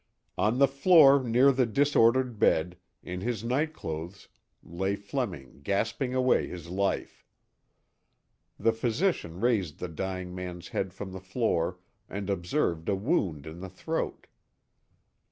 On the floor near the disordered bed, in his night clothes, lay Fleming gasping away his life. The physician raised the dying man's head from the floor and observed a wound in the throat.